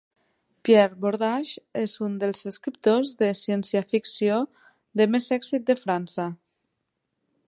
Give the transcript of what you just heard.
Pierre Bordage és un dels escriptors de ciència ficció de més èxit de França.